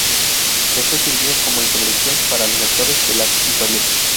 Esto sirvió como introducción para los lectores de las historietas.